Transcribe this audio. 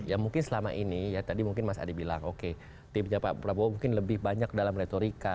ya mungkin selama ini ya tadi mungkin mas adi bilang oke tipnya pak prabowo mungkin lebih banyak dalam retorika